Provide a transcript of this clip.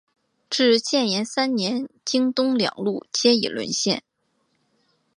至建炎三年京东两路皆已沦陷。